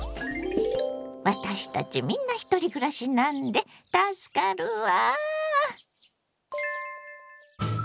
私たちみんなひとり暮らしなんで助かるわ。